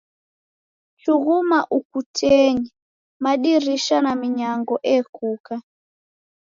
Chughuma ukutenyi, madirisha na minyango ekuka.